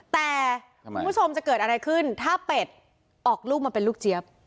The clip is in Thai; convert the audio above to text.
แต่คุณผู้ชมจะเกิดอะไรขึ้นถ้าเป็ดออกลูกมาเป็นลูกเจี๊ยบ